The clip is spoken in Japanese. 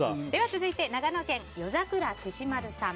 続いて長野県の方。